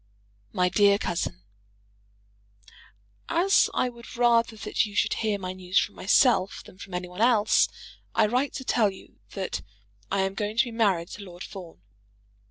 MY DEAR COUSIN, As I would rather that you should hear my news from myself than from any one else, I write to tell you that I am going to be married to Lord Fawn.